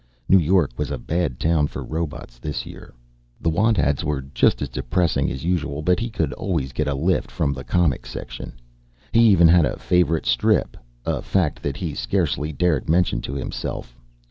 New York was a bad town for robots this year. The want ads were just as depressing as usual but he could always get a lift from the comic section. He even had a favorite strip, a fact that he scarcely dared mention to himself.